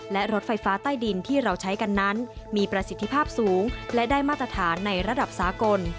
และรถไฟฟ้าใต้ดินที่เราใช้กันนั้นมีประสิทธิภาพสูงและได้มาตรฐานในระดับสากล